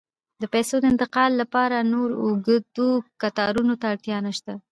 د پیسو د انتقال لپاره نور اوږدو کتارونو ته اړتیا نشته.